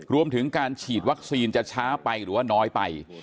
รวมถึงการฉีดวัคซีนจะช้าไปหรือว่าน้อยไป